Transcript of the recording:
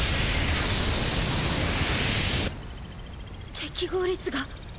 適合率が。